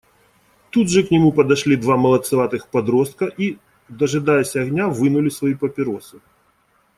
Тут же к нему подошли два молодцеватых подростка и, дожидаясь огня, вынули свои папиросы.